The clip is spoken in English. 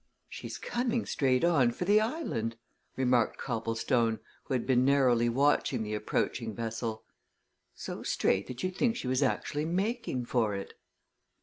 "She's coming straight on for the island," remarked Copplestone, who had been narrowly watching the approaching vessel. "So straight that you'd think she was actually making for it."